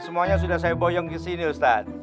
semuanya sudah saya boyong disini ustaz